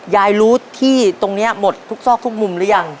ยายรู้ที่ตรงนี้หมดทุกซอกทุกมุมหรือยัง